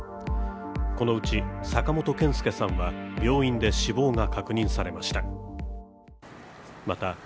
このうち、坂本憲介さんは病院で死亡が確認されました。